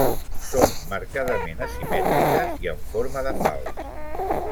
Són marcadament asimètriques i en forma de falç.